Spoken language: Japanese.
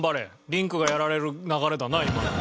リンクがやられる流れだな今の。